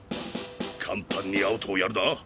簡単にアウトをやるな。